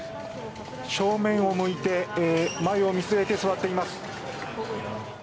正面を向いて前を見据えて座っています。